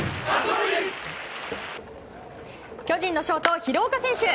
巨人のショート、廣岡選手。